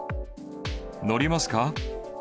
乗りますか？